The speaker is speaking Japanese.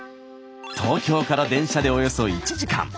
東京から電車でおよそ１時間。